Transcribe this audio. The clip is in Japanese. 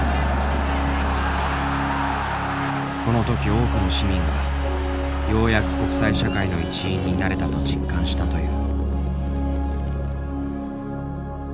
この時多くの市民がようやく国際社会の一員になれたと実感したという。